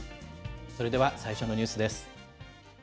それでは最初のニュースです。